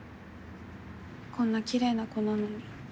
こんなきれいな子なのに。